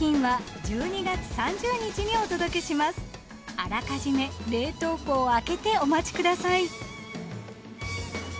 あらかじめ冷凍庫を空けてお待ちください。